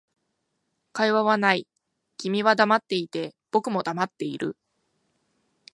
会話はない、君は黙っていて、僕も黙っている